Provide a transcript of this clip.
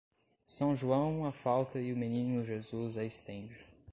São João a falta e o Menino Jesus a estende.